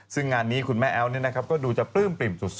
ซึ่งงานนี้คุณแม่แอ๊วก็ดูจะปลื้มปริ่มสุด